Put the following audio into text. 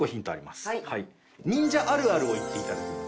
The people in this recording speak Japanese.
忍者あるあるを言っていただきます。